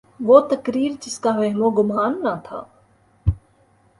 وہ تقریر جس کا وہم و گماں نہ تھا۔